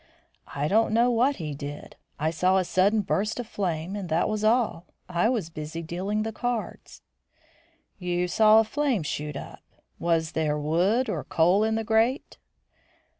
"I don't know what he did. I saw a sudden burst of flame, but that was all. I was busy dealing the cards." "You saw a flame shoot up. Was there wood or coal in the grate?"